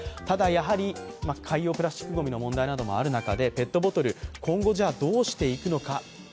ただ海洋プラスチックごみの問題もある中で、ペットボトル、今後、どうしていくのか。